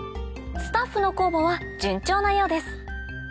スタッフの酵母は順調なようです